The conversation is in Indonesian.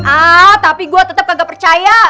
ah tapi gue tetap kagak percaya